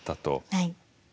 はい。